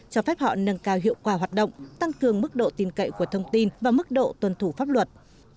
cho phép họ nâng cao hiệu quả hoạt động tăng cường mức độ tin cậy của thông tin và mức độ tuân thủ pháp luật